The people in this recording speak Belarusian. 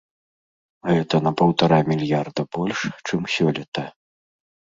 Гэта на паўтара мільярда больш, чым сёлета.